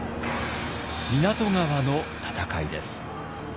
湊川の戦いです。